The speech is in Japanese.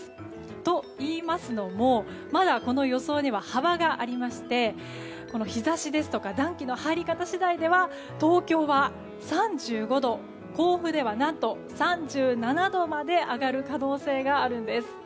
といいますのも、この予想にはまだ幅がありまして日差しですとか暖気の入り方次第では東京は３５度甲府では何と３７度まで上がる可能性があるんです。